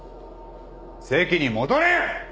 席に戻れ！